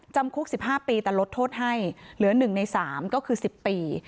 จำคุกสิบห้าปีแต่ลดโทษให้เหลือหนึ่งในสามก็คือสิบปี